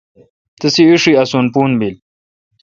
تسی ایݭی اسون پھور بیل۔